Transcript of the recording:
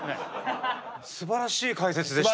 すばらしい解説でした。